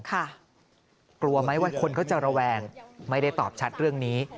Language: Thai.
กลัวไหมว่าคนเขาจะระแวงไม่ได้ตอบชัดเรื่องนี้